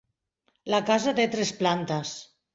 La casa té tres plantes.